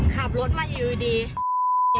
ขับรถมาอยู่ดี